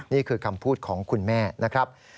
นี่คือคำพูดของคุณแม่นะครับ